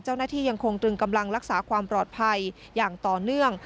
เจ้าหน้าที่ยังคงตรึงกำลังรักษาความปลอดภัยอย่างต่อเนื่อง